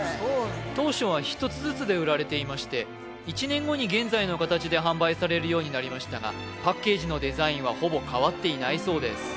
当初は１つずつで売られていまして１年後に現在の形で販売されるようになりましたがパッケージのデザインはほぼ変わっていないそうです